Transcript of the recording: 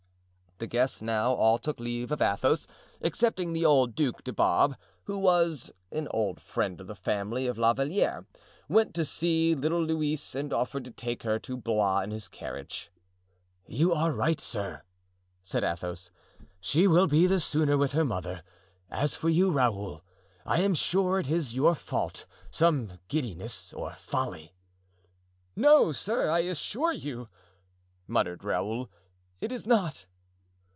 The guests now all took leave of Athos, excepting the old Duc de Barbe, who, as an old friend of the family of La Valliere, went to see little Louise and offered to take her to Blois in his carriage. "You are right, sir," said Athos. "She will be the sooner with her mother. As for you, Raoul, I am sure it is your fault, some giddiness or folly." "No, sir, I assure you," muttered Raoul, "it is not."